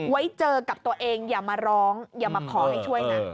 ไว้เจอกับตัวเองอย่ามาร้องอย่ามาขอให้ช่วยนะ